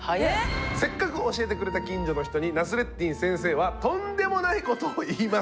せっかく教えてくれた近所の人にナスレッディン先生はとんでもないことを言います。